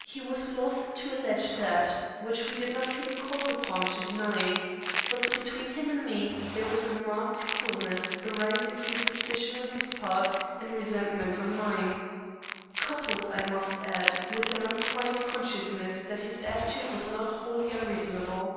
He was loth to allege that which we did not feel called upon to deny. But between him and me there was a marked coolness, arising from suspicion on his part and resentment on mine, coupled, I must add, with an unquiet consciousness that his attitude was not wholly unreasonable.